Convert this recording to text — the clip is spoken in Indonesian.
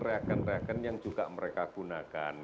reagen reagen yang juga mereka gunakan